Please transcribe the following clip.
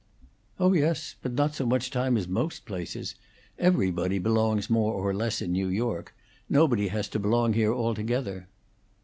"Oh yes. But not so much time as most places. Everybody belongs more or less in New York; nobody has to belong here altogether."